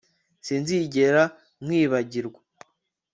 Sinzigera nkwibagirwa